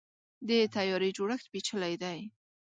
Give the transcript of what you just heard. د طیارې جوړښت پیچلی دی.